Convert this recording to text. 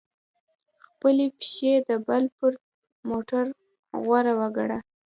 خپلي پښې د بل تر موټر غوره وګڼه!